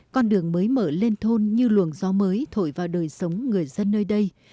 con đường mới mở lên thôn như luồng gió mới thổi vào đời sống người dân nơi đây